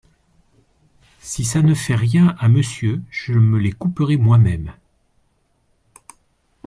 Si ça ne fait rien à Monsieur, je me les couperai moi-même…